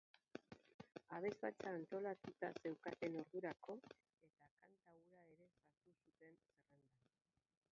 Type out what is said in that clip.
Abesbatza antolatuta zeukaten ordurako, eta kanta hura ere sartu zuten zerrendan.